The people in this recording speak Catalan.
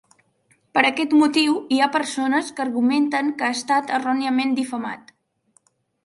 Per aquest motiu, hi ha persones que argumenten que ha estat erròniament difamat.